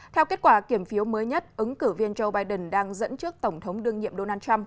theo kết quả kiểm phiếu mới nhất ứng cử viên joe biden đang dẫn trước tổng thống đương nhiệm donald trump